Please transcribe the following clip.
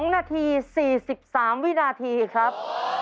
๒นาที๔๓วินาทีครับ